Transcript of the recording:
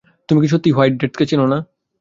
তুমি কি সত্যিই হোয়াইট ডেথকে চেনো না?